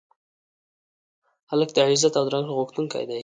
هلک د عزت او درنښت غوښتونکی دی.